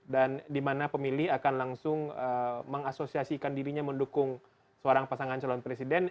dan di mana pemilih akan langsung mengasosiasikan dirinya mendukung seorang pasangan calon presiden